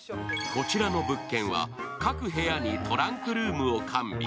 こちらの物件は各部屋にトランクルームを完備。